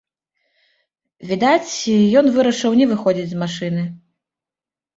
Відаць, ён вырашыў не выходзіць з машыны.